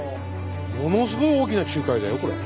ものすごい大きな仲介だよこれ。